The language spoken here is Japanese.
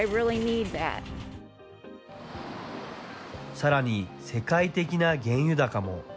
さらに世界的な原油高も。